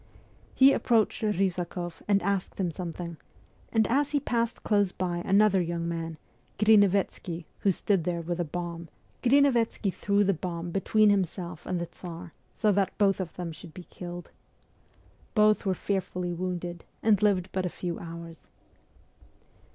He approached Kysak6ff and asked him something ; and as he passed close by another young man, Grinevetsky, who stood there with a bomb, Grinevetsky B 2 244 MEMOIRS OF A REVOLUTIONIST threw the bomb between himself and the Tsar, so that both of them should be killed. Both were fearfully wounded, and lived but a few hours.